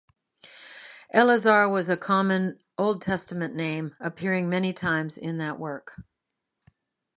Eleazar was a common Old Testament name, appearing many times in that work.